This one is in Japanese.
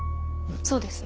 そうですね。